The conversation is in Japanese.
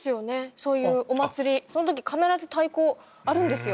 そういうお祭りそのとき必ず太鼓あるんですよ